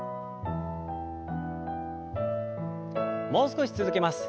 もう少し続けます。